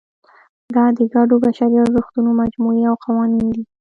دا د ګډو بشري ارزښتونو مجموعې او قوانین دي.